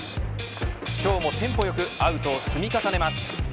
今日もテンポよくアウトを積み重ねます。